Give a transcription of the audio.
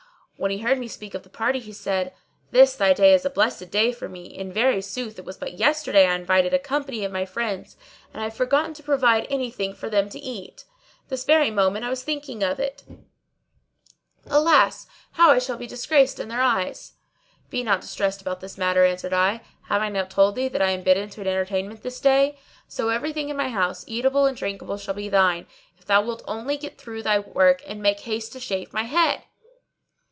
When he heard me speak of the party, he said, "This thy day is a blessed day for me! In very sooth it was but yesterday I invited a company of my friends and I have forgotten to provide anything for them to eat. This very moment I was thinking of it: Alas, how I shall be disgraced in their eyes!" "Be not distressed about this matter," answered I; "have I not told thee that I am bidden to an entertainment this day? So every thing in my house, eatable and drinkable, shall be thine, if thou wilt only get through thy work and make haste to shave my head."